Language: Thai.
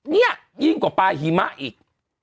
นี่ยิ่งกว่าปลาหิมะอีก